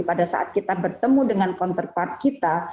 pada saat kita bertemu dengan counterpart kita